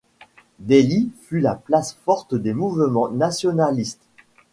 Delhi fut la place forte des mouvements nationalistes.